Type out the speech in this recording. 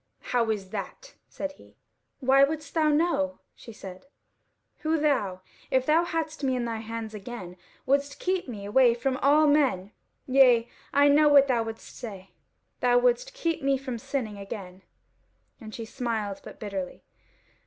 "How is that?" said he. "Why wouldst thou know?" she said; "thou who, if thou hadst me in thine hands again, wouldst keep me away from all men. Yea, I know what thou wouldst say, thou wouldst keep me from sinning again." And she smiled, but bitterly.